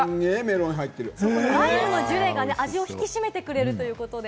ライムのジュレが味を引き締めてくれるということです。